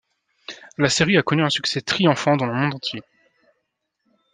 La série a connu un succès triomphant dans le monde entier.